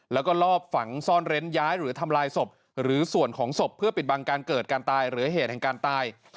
แล้วก็ลอบฝังซ่อนเร้นย้ายหรือทำลายศพหรือส่วนของศพเพื่อปิดบังการเกิดการตายหรือเหตุแห่งการตาย